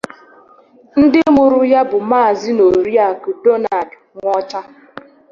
Ndị mụrụ ya bụ Maazị na Oriakụ Donald Nwocha.